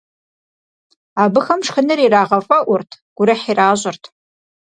Абыхэм шхыныр ирагъэфӀэӀурт, гурыхь иращӀырт.